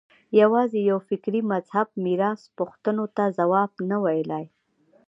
یوازې یوه فکري مذهب میراث پوښتنو ته ځواب نه ویلای